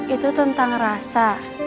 itu tentang rasa